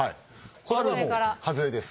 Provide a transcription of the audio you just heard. これはもうはずれです。